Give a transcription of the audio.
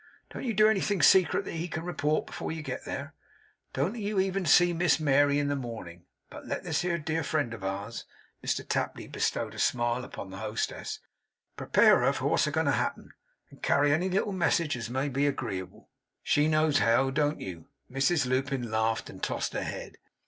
Don't you do anything secret that he can report before you get there. Don't you even see Miss Mary in the morning, but let this here dear friend of ours' Mr Tapley bestowed a smile upon the hostess 'prepare her for what's a going to happen, and carry any little message as may be agreeable. She knows how. Don't you?' Mrs Lupin laughed and tossed her head.